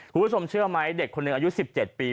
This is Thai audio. คุณผู้ชมเชื่อไหมเด็กคนหนึ่งอายุ๑๗ปี